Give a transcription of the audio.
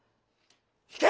引け！